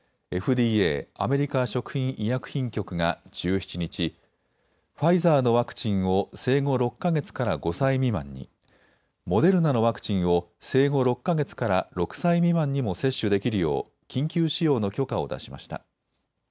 ＦＤＡ・アメリカ食品医薬品局が１７日、ファイザーのワクチンを生後６か月から５歳未満に、モデルナのワクチンを生後６か月から６歳未満にも接種できるよう緊急使用の許可を出しました。